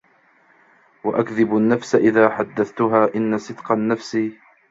وَأَكْذِبُ النَّفْسَ إذَا حَدَّثْتُهَا إنَّ صِدْقَ النَّفْسِ